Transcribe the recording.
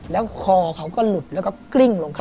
แล้วคอเขาก็หลุดแล้วก็กลิ้งลงเขา